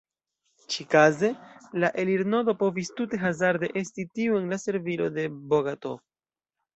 Ĉi-kaze la elirnodo povis tute hazarde esti tiu en la servilo de Bogatov.